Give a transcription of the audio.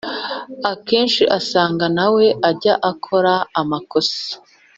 akenshi asanga na we ajya akora amakosa